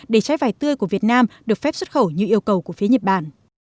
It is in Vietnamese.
để trái vải tươi của việt nam được phép xuất khẩu như yêu cầu của phía nhật bản